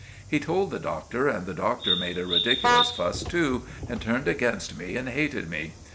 He told the Doctor and the Doctor made a ridiculous fuss too and turned against me and hated me.